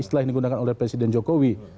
setelah yang digunakan oleh presiden jokowi